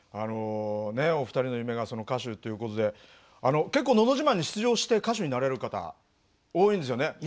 お二人の夢が歌手ということで結構「のど自慢」に出場して歌手になられる方多いんですよね。